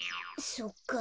そっか。